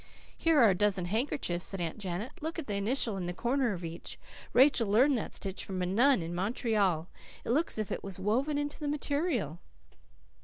"Here are a dozen handkerchiefs," said Aunt Janet. "Look at the initial in the corner of each. Rachel learned that stitch from a nun in Montreal. It looks as if it was woven into the material."